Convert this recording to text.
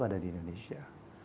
ada di indonesia